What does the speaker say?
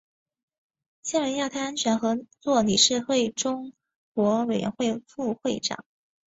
现为亚太安全合作理事会中国委员会副会长。